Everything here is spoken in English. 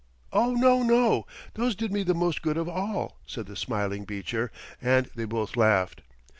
"Oh, no, no, those did me the most good of all," said the smiling Beecher, and they both laughed.